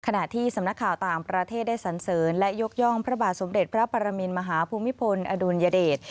ขณะที่สำนักข่าวต่างประเทศได้สันเสริญและยกย่องพระบาทสมเด็จพระปรมินมหาภูมิพลอดุลยเดช